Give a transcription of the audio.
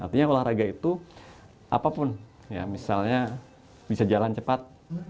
artinya olahraga itu apapun ya misalnya bisa jalan cepat